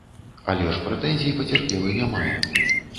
Але ж прэтэнзій пацярпелы не мае.